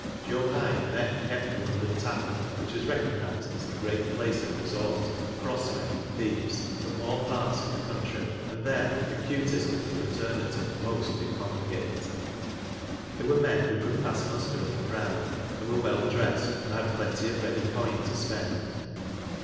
Joe Hyde then kept the London Tavern, which was recognised as the great place of resort of " cross men" (thieves) from all parts of the country, and there the 'cutest of the fraternity most did congregate. They were men who could pass muster in a crowd, and were well dressed and had plenty of ready coin to spend.